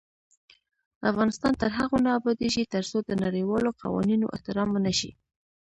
افغانستان تر هغو نه ابادیږي، ترڅو د نړیوالو قوانینو احترام ونشي.